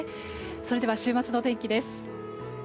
それでは週末の天気です。